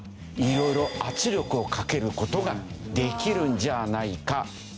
色々圧力をかける事ができるんじゃないかという。